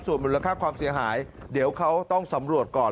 ส่วนมูลค่าความเสียหายเดี๋ยวเขาต้องสำรวจก่อน